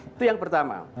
itu yang pertama